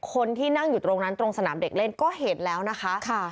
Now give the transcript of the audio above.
คนที่นั่งอยู่ตรงนั้นตรงสนามเด็กเล่นก็เห็นแล้วนะคะ